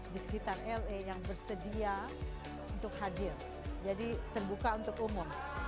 di sekitar la yang bersedia untuk hadir jadi terbuka untuk umum